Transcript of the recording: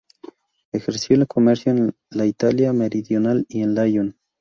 Ejerció el comercio en la Italia meridional y en Lyon.